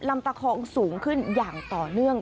ตะคองสูงขึ้นอย่างต่อเนื่อง